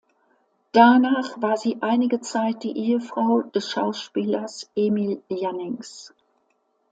Danach war sie einige Zeit die Ehefrau des Schauspielers Emil Jannings.